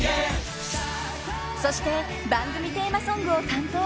［そして番組テーマソングを担当］